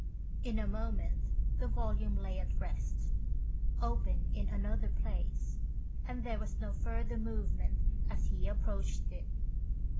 In a moment the volume lay at rest, open in another place, and there was no further movement as he approached it.